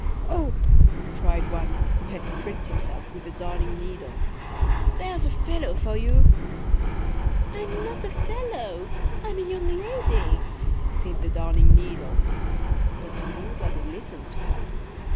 "O!" cried one, who had pricked himself with the Darning needle, "there's a fellow for you!""I'm not a fellow; I'm a young lady!" said the Darning needle. But nobody listened to her.